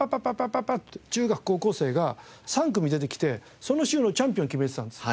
パッパッって中学高校生が３組出てきてその週のチャンピオンを決めてたんです。